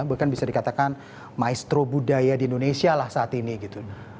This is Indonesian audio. bahkan bisa dikatakan maestro budaya di indonesia lah saat ini gitu